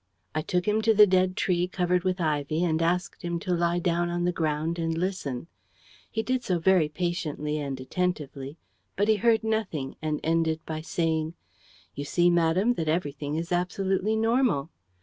I took him to the dead tree covered with ivy and asked him to lie down on the ground and listen. He did so very patiently and attentively. But he heard nothing and ended by saying: "'You see, madame, that everything is absolutely normal.'